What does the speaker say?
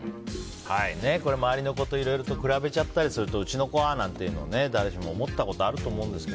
これ、周りの子といろいろ比べちゃったりするとうちの子はなんていうの誰しも思ったことがあると思うんです